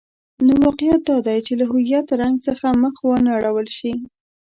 نو واقعیت دادی چې له هویت رنګ څخه مخ وانه ړول شي.